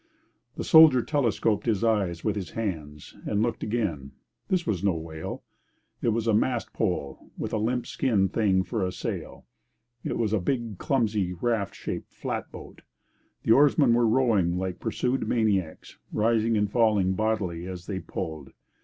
The soldier telescoped his eyes with his hands and looked again. This was no whale. There was a mast pole with a limp skin thing for sail. It was a big, clumsy, raft shaped flat boat. The oarsmen were rowing like pursued maniacs, rising and falling bodily as they pulled.